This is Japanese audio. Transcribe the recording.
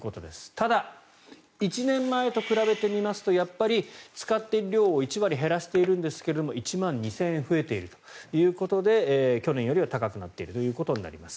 ただ、１年前と比べてみますとやっぱり、使っている量を１割減らしているんですが１万２０００円増えているということで去年よりは高くなっているということになります。